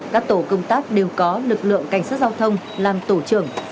các tổ công tác đều có lực lượng cảnh sát giao thông làm tổ trưởng